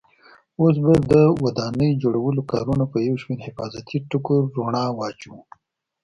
اوس به د ودانۍ جوړولو کارونو په یو شمېر حفاظتي ټکو رڼا واچوو.